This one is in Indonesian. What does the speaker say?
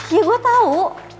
iya gue tau